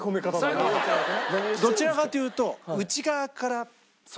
どちらかというと。